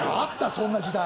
そんな時代。